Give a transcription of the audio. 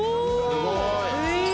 「すごい！」